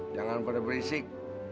jangan pada berisik